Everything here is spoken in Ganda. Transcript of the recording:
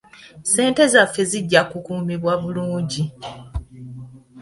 Ssente zaffe zijja kukuumibwa bulungi.